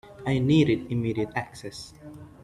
I needed immediate access.